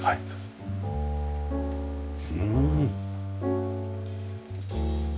うん。